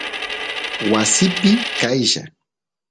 wasiki qaylla